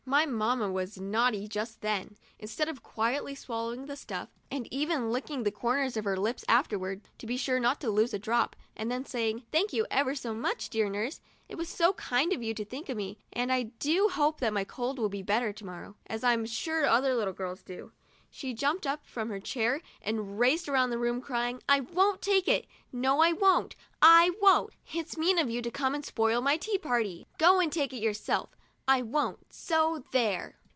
Really, my mamma was naughty just then. Instead of quietly swallowing the stuff, and even licking the corners of her lips afterwards, to be sure not to lose a drop, and then saying, "Thank you ever so much, dear Nurse ; it was so kind of you to think of me, and I do hope that my cold will be better to morrow," as I'm sure other little girls do, she jumped up from her chair and raced around the room, crying, '' I won't take it ; no, I won't, I won't! It's mean of you to come and spoil 33 THE DIARY OF A BIRTHDAY DOLL my tea party. Go and take it yourself; I won't, so there